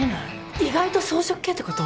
意外と草食系ってこと？